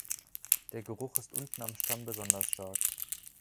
Der Geruch ist unten am Stamm besonders stark.